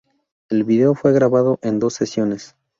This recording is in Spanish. El vídeo fue grabado en dos sesiones.